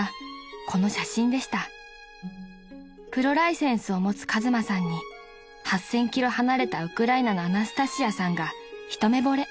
［プロライセンスを持つ和真さんに８，０００ｋｍ離れたウクライナのアナスタシアさんが一目ぼれ］